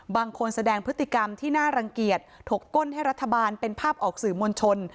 แสดงพฤติกรรมที่น่ารังเกียจถกก้นให้รัฐบาลเป็นภาพออกสื่อมวลชน